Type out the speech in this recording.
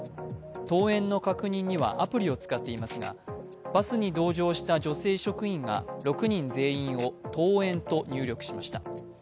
登園の確認にはアプリを使っていますがバスに同乗した女性職員が６人全員を登園と入力しました。